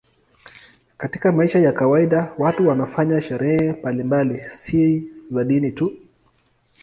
Katika maisha ya kawaida watu wanafanya sherehe mbalimbali, si za dini tu.